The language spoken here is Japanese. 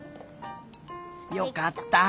よかった！